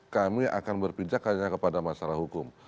kami akan berpijak hanya kepada masalah hukum